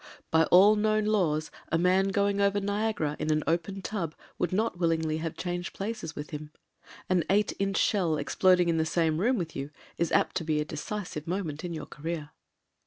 By all known laws a man going over Niagara in an open tub would not willingly have changed places with him ; an 8 inch sheD exploding in the same room with you is apt to be a decisive moment in your career.